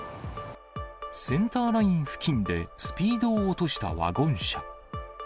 センターライン付近でスピードを落としたワゴン車。